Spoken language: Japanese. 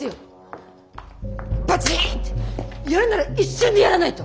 バチンってやるなら一瞬でやらないと。